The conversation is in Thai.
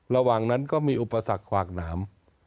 ระหว่างนั้นก็มีอุปสรรคขวากหนาม